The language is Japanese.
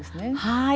はい。